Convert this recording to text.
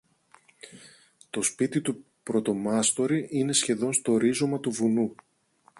Το σπίτι του πρωτομάστορη είναι σχεδόν στο ρίζωμα του βουνού